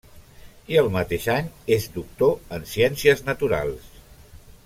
I el mateix any, és doctor en ciències naturals.